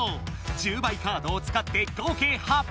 「１０倍」カードをつかって合計８００。